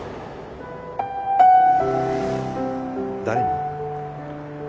誰に？